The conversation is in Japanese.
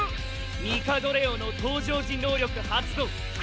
ミカドレオの登場時能力発動。